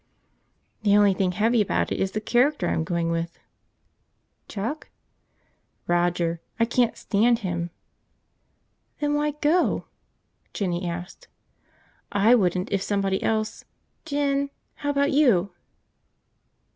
"The only thing heavy about it is the character I'm going with." "Chuck?" "Roger. I can't stand him." "Then why go?" Jinny asked. "I wouldn't if somebody else ... Jin! How about you?"